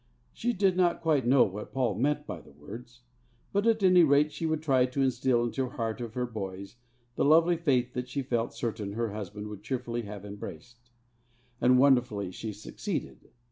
She did not quite know what Paul meant by the words; but at any rate she would try to instil into the heart of her boy the lovely faith that she felt certain her husband would cheerfully have embraced. And wonderfully she succeeded.